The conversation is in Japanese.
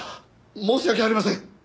申し訳ありません！